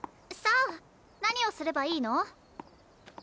さあ何をすればいいの？